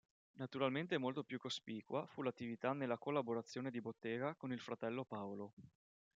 Naturalmente molto più cospicua fu l'attività nella collaborazione di bottega con il fratello Paolo.